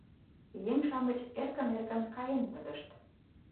Еҥ-шамыч эркын-эркын каен пытышт